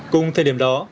cùng thời điểm đó